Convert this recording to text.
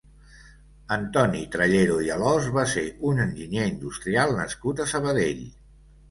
Antoni Trallero i Alòs va ser un enginyer industrial nascut a Sabadell.